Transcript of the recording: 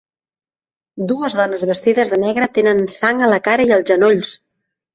Dues dones vestides de negre tenen sang a la cara i als genolls.